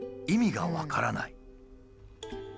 意味が分からない」。